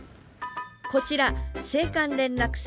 こちら青函連絡船